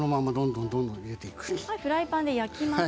フライパンで焼きます。